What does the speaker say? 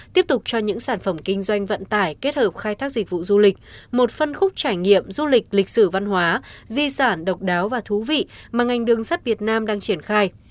tiếp tục cho những sản phẩm kinh doanh vận tải kết hợp khai thác dịch vụ du lịch một phân khúc trải nghiệm du lịch lịch sử văn hóa di sản độc đáo và thú vị mà ngành đường sắt việt nam đang triển khai